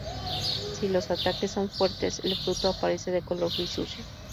Si los ataques son fuertes, el fruto aparece de color gris sucio.